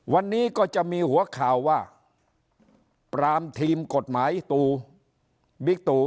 วันนี้ก็จะมีหัวข่าวว่าปรามทีมกฎหมายตูบิ๊กตู